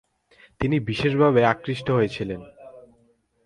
তিনি বিশেষভাবে আকৃষ্ট হয়েছিলেন।